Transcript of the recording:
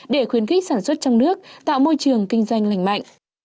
để khuyến khích sản xuất trong nước tạo môi trường kinh doanh lành mạnh